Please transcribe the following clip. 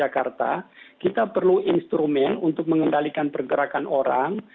kita perlu instrumen untuk mengendalikan pergerakan orang